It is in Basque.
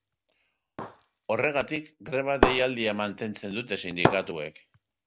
Horregatik greba deialdia mantentzen dute sindikatuek.